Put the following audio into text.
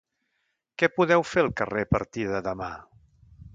Què podeu fer al carrer a partir de demà?